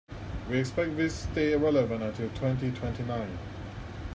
We expect this stay relevant until twenty-twenty-nine.